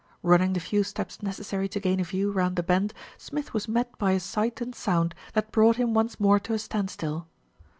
Running the few steps necessary to gain a view round the bend, Smith was met by a sight and sound that brought him once more to a standstill.